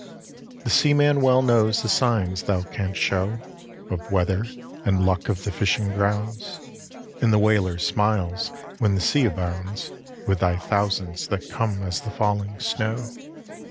The seaman well knows the signs thou canst show Of weather, and luck of the fishing grounds; And the whaler smiles when the sea abounds With thy thousands that come as the falling snow.